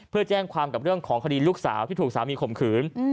เพื่อแจ้งความกับเรื่องของคดีลูกสาวที่ถูกสามีข่มขืน